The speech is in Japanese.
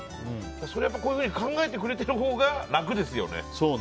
それをこういうふうに考えてくれてるほうが楽ですよね。